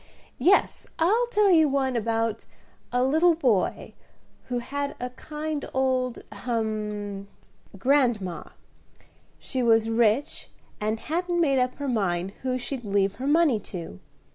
Yes, I'll tell you one about a little boy who had a kind old ahem! grandma. She was rich, and hadn't made up her mind who she'd leave her money to.